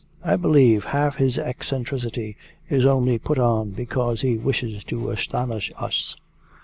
I believe half his eccentricity is only put on because he wishes to astonish us.